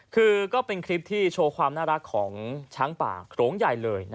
คือก็เป็นคลิปที่โชว์ความน่ารักของช้างป่าโขลงใหญ่เลย